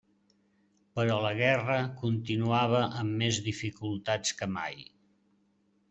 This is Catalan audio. Però la guerra continuava amb més dificultats que mai.